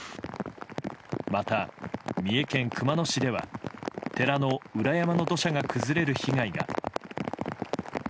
また、三重県熊野市では寺の裏山の土砂が崩れる被害が。